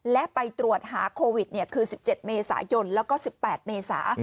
และไปตรวจหาโควิดคือ๑๗เมษายนแล้วก็๑๘เมษา